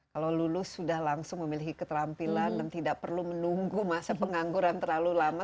kalau lulus sudah langsung memiliki keterampilan dan tidak perlu menunggu masa pengangguran terlalu lama